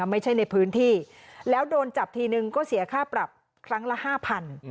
ไม่ใช่ในพื้นที่แล้วโดนจับทีนึงก็เสียค่าปรับครั้งละห้าพัน